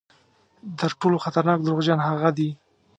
تر ټولو خطرناک دروغجن هغه دي.